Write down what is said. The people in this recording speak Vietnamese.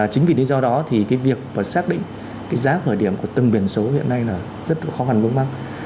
chính vì lý do đó thì cái việc và xác định cái giá khởi điểm của từng biển số hiện nay là rất là khó gắn vương mắc